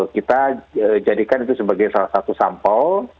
kita jadikan itu sebagai salah satu sampel